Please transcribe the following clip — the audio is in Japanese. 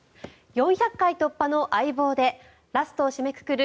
４００回突破の「相棒」でラストを締めくくる